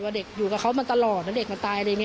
เด็กอยู่กับเขามาตลอดแล้วเด็กมันตายอะไรอย่างนี้